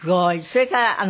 それから。